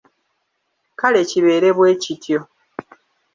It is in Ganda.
Kale kibeere bwe kityo.